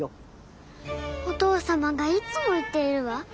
お父様がいつも言っているわ。